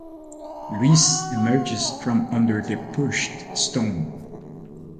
Luis emerges from under the pushed stone.